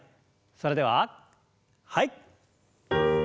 それでははい。